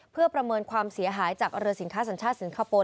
เพื่อประเมินความเสียหายจากเรือสินค้าสัญชาติสิงคโปร์